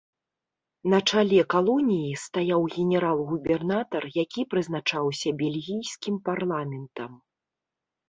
На чале калоніі стаяў генерал-губернатар, які прызначаўся бельгійскім парламентам.